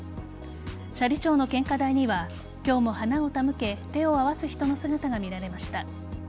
斜里町の献花台には今日も花を手向け手を合わす人の姿が見られました。